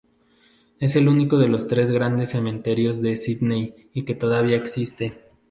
Es el único de los tres grandes cementerios de Sídney que todavía existe.